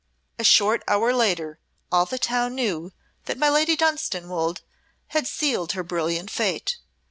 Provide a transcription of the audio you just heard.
A short hour later all the town knew that my Lady Dunstanwolde had sealed her brilliant fate.